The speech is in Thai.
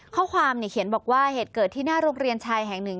ข้อความเขียนบอกว่าเหตุเกิดที่หน้าโรงเรียนชายแห่งหนึ่ง